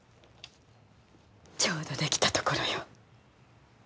ちょうど出来たところよ。